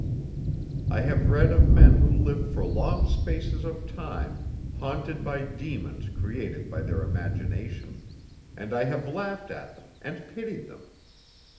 I have read of men who lived for long spaces of time haunted by demons created by their imagination, and I have laughed at them and pitied them.